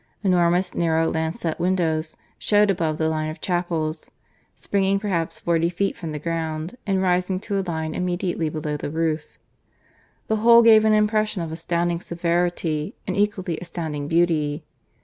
Enormous narrow lancet windows showed above the line of chapels, springing perhaps forty feet from the ground, and rising to a line immediately below the roof. The whole gave an impression of astounding severity and equally astounding beauty.